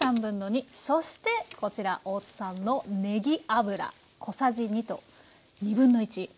そしてこちら大津さんのねぎ油小さじ２1/2。